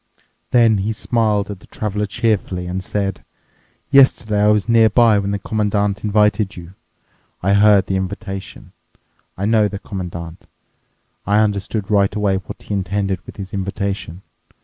Then he smiled at the Traveler cheerfully and said, "Yesterday I was nearby when the Commandant invited you. I heard the invitation. I know the Commandant. I understood right away what he intended with his invitation.